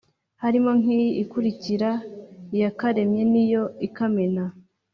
harimo nk’iyi ikurikira: “iyakaremye ni yo ikamena”,